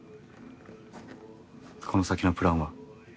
この先のプランは？